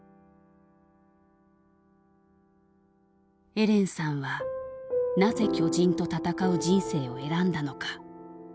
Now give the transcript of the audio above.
エレンさんはなぜ巨人と戦う人生を選んだのか。